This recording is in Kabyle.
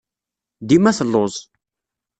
Dima telluẓ.